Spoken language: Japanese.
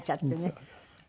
そう。